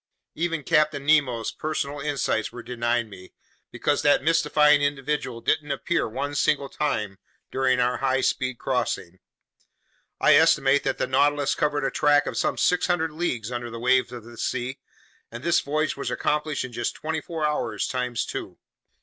Even Captain Nemo's personal insights were denied me, because that mystifying individual didn't appear one single time during our high speed crossing. I estimate that the Nautilus covered a track of some 600 leagues under the waves of this sea, and this voyage was accomplished in just twenty four hours times two.